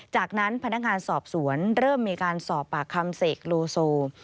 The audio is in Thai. จากนั้นพนักงานสอบสวนเริ่มมีการสอบปากคำเสกโลโซ